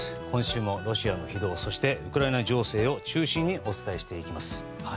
今週もロシアの非道そしてウクライナ情勢を中心にお伝えしていきます。